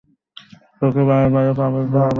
সে কি বাড়ির বাইরে পা ফেলতে পারবে?